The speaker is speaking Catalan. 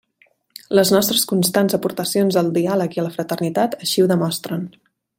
Les nostres constants aportacions al diàleg i a la fraternitat així ho demostren.